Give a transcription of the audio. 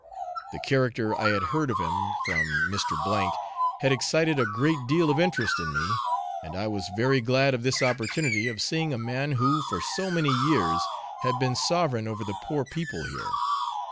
The character I had heard of him from Mr. had excited a great deal of interest in me, and I was very glad of this opportunity of seeing a man who, for so many years, had been sovereign over the poor people here.